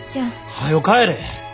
はよ帰れ！